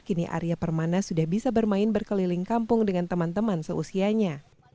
kini arya permana sudah bisa bermain berkeliling kampung dengan teman teman seusianya